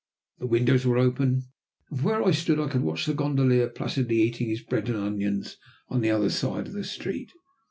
The windows were open, and from where I stood I could watch the gondolier placidly eating his bread and onions on the other side of the street.